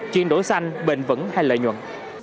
chuyển đổi xanh bền vững hay lợi nhuận